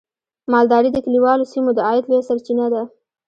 مالداري د کليوالو سیمو د عاید لویه سرچینه ده.